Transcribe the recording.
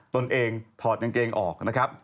ตนเองถอดกางเกงออกนะครับ